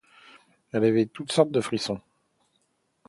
Il avait toutes sortes de frissons.